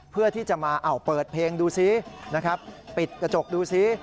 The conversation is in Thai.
เพื่อที่จะมาเปิดเพลงดูซินะครับปิดกระจกดูซิ